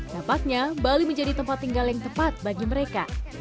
tampaknya bali menjadi tempat tinggal yang tepat bagi mereka